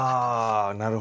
あなるほど。